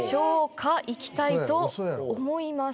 いきたいと思います。